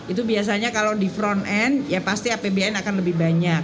itu biasanya kalau di front end ya pasti apbn akan lebih banyak